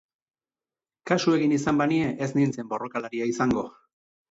Kasu egin izan banie ez nintzen borrokalaria izango...